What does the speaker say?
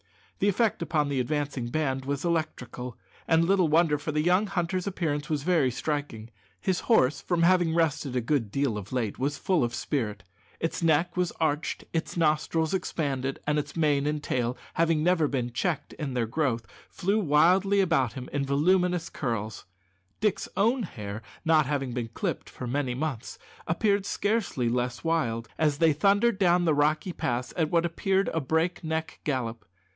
The effect upon the advancing band was electrical; and little wonder, for the young hunter's appearance was very striking. His horse, from having rested a good deal of late, was full of spirit. Its neck was arched, its nostrils expanded, and its mane and tail never having been checked in their growth flew wildly around him in voluminous curls. Dick's own hair, not having been clipped for many months, appeared scarcely less wild, as they thundered down the rocky pass at what appeared a break neck gallop.